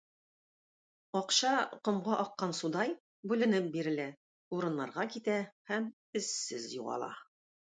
Акча комга аккан судай – бүленеп бирелә, урыннарга китә һәм эзсез югала.